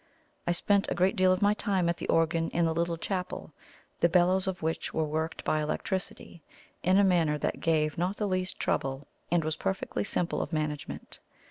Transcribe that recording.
I spent a great deal of my time at the organ in the little chapel, the bellows of which were worked by electricity, in a manner that gave not the least trouble, and was perfectly simple of management.